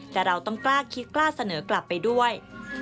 แต่เราต้องกล้าคิดกล้าเสนอกลับไปด้วย